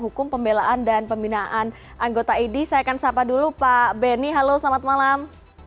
hukum pembelaan dan pembinaan anggota idi saya akan sapa dulu pak beni halo selamat malam